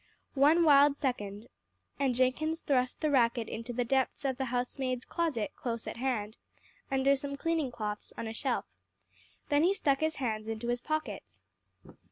One wild second, and Jenkins thrust the racket into the depths of the housemaid's closet close at hand, under some cleaning cloths on a shelf. Then he stuck his hands in his pockets.